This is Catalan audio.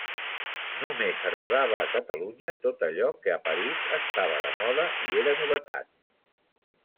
Només arribava a Catalunya tot allò que a París estava de moda i era novetat.